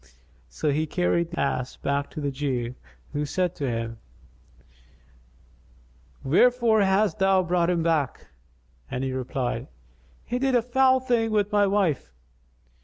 So he carried the ass back to the Jew, who said to him, "Wherefore hast thou brought him back?" and he replied, "He did a foul thing with my wife."